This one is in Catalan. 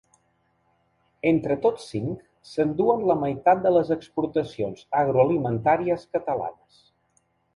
Entre tots cinc s’enduen la meitat de les exportacions agroalimentàries catalanes.